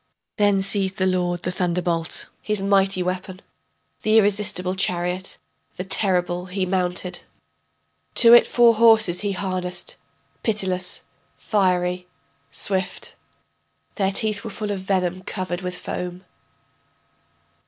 Then seized the lord the thunderbolt, his mighty weapon, The irresistible chariot, the terrible, he mounted, To it four horses he harnessed, pitiless, fiery, swift, Their teeth were full of venom covered with foam.